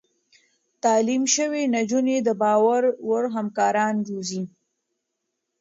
تعليم شوې نجونې د باور وړ همکاران روزي.